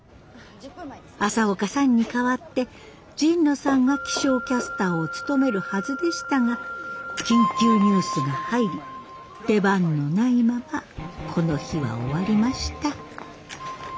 朝岡さんに代わって神野さんが気象キャスターを務めるはずでしたが緊急ニュースが入り出番のないままこの日は終わりました。